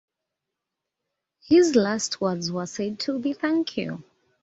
His last words were said to be Thank you.